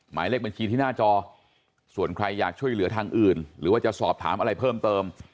หมายเลขบัญชีที่หน้าจอส่วนใครอยากช่วยเหลือทางอื่นหรือว่าจะสอบถามอะไรเพิ่มเติม